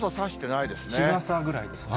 日傘ぐらいですね。